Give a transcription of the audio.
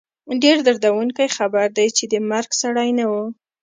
ډېر دردوونکی خبر دی، د مرګ سړی نه وو